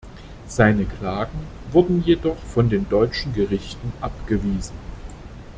Seine Klagen wurden jedoch von den deutschen Gerichten abgewiesen.